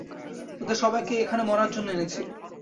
ওদের সবাইকে এখানে মরার জন্য এনেছি।